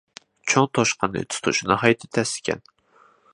چوڭ توشقاننى تۇتۇش ناھايىتى تەس ئىكەن.